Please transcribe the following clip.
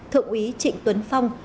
thượng úy trịnh tuấn phong